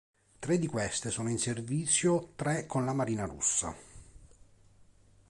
Tre di queste sono in servizio tre con la Marina Russa.